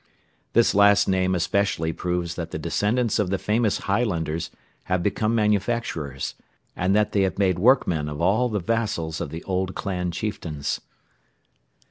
This last name especially proves that the descendants of the famous Highlanders have become manufacturers, and that they have made workmen of all the vassals of the old clan chieftains.